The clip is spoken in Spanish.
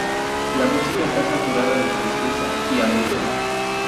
La música está saturada de tristeza y angustia.